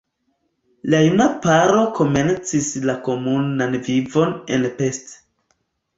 La juna paro komencis la komunan vivon en Pest.